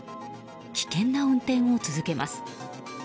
危険な運転を続けます。